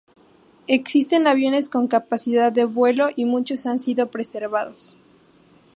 Existen aviones con capacidad de vuelo y muchos han sido preservados.